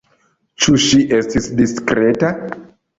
Ĉu ŝi estis diskreta?